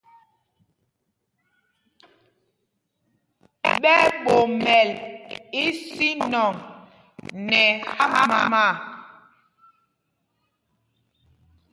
Ɓɛ ɓomɛl ísínɔŋ nɛ hámâ.